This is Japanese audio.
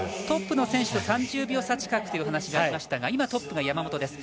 トップの選手と３０秒差近くという話がありましたが今、トップが山本。